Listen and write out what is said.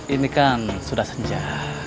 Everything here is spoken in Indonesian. ini kan sudah sejak